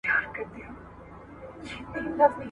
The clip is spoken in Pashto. • چي نه ځني خلاصېږې، په بړ بړ پر ورځه.